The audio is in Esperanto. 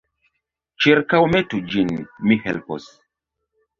Ĉirkaŭmetu ĝin; mi helpos.